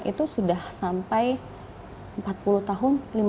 itu sudah sampai empat puluh tahun